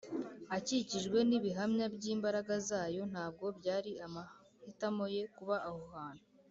akikijwe n’ibihamya by’imbaraga Zayo. Ntabwo byari amahitamo ye kuba aho hantu